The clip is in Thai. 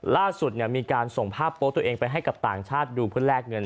ล่าสุดมีการส่งภาพโป๊ะตัวเองไปให้กับต่างชาติดูเพื่อแลกเงิน